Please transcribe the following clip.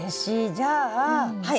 じゃあはい。